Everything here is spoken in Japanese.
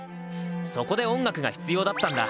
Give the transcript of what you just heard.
そこで音楽が必要だったんだ。